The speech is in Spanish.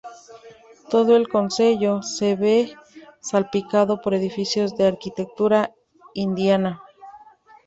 Todo el concello se ve salpicado por edificios de arquitectura indiana.